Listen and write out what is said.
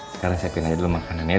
sekarang siapin aja dulu makanannya